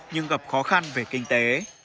nhưng gặp khó khăn về kinh tế